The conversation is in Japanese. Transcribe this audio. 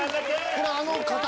これあの形？